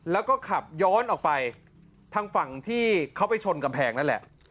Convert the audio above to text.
แล้วก็ขับย้อนออกไปทางฝั่งที่เขาไปชนกำแพงนั่นแหละ